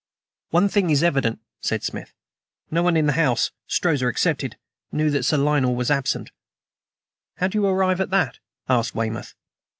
"One thing is evident," said Smith: "no one in the house, Strozza excepted, knew that Sir Lionel was absent." "How do you arrive at that?" asked Weymouth.